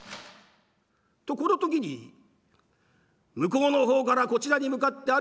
とこの時に向こうの方からこちらに向かって歩いてまいります